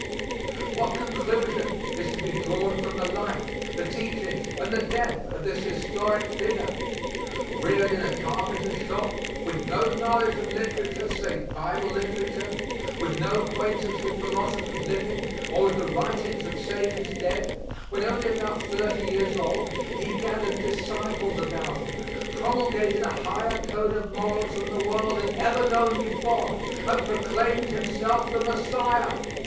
What conclusion is to be drawn from the life, the teachings and the death of this historic figure? Reared in a carpenter shop; with no knowledge of literature, save Bible literature; with no acquaintance with philosophers living or with the writings of sages dead, when only about thirty years old He gathered disciples about Him, promulgated a higher code of morals than the world had ever known before, and proclaimed Himself the Messiah.